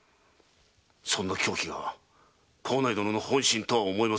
そんな狂気が幸内殿の本心とは思えません！